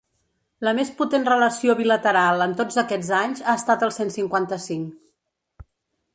La més potent relació bilateral en tots aquests anys ha estat el cent cinquanta-cinc.